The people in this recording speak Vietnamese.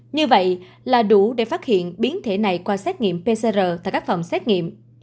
như vậy là đủ để phát hiện biến thể này qua xét nghiệm pcr tại các phòng xét nghiệm